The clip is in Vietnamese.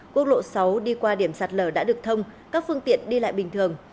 quốc lộ sáu đi qua điểm sạt lở đã được thông các phương tiện đi lại bình thường